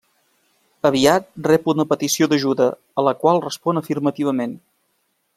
Aviat rep una petició d'ajuda a la qual respon afirmativament.